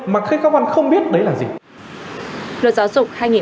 mà khi các con không biết các con sẽ không biết